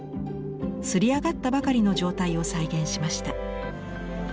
刷り上がったばかりの状態を再現しました。